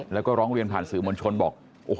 แล้วก็เรียนผ่านสื่อบ่นชนบอก